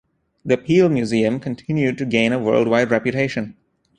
The Peale museum continued to gain a worldwide reputation.